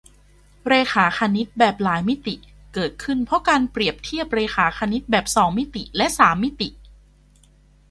เรขาคณิตแบบหลายมิติ เกิดขึ้นเพราะการเปรียบเทียบเรขาคณิตแบบสองและสามมิติ